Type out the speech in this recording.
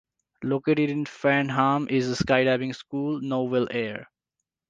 Located in Farnham is a skydiving school, Nouvel Air.